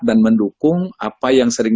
dan mendukung apa yang sering